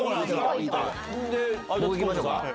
僕行きましょうか。